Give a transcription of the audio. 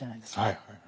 はいはい。